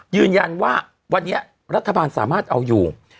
ยืนยันว่าวันนี้รัฐบาลสามารถเอาอยู่